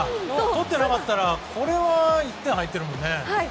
とってなかったらこれは１点入ってるもんね。